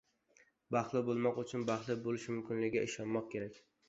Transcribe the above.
Baxtli bo‘lmoq uchun baxtli bo‘lish mumkinligiga ishonmoq kerak.